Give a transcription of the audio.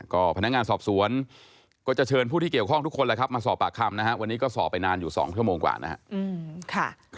ก็พนักงานสอบสวนก็จะเชิญผู้ที่เกี่ยวข้องทุกคนแล้วครับมาสอบปากคำนะฮะวันนี้ก็สอบไปนานอยู่๒ชั่วโมงกว่านะครับ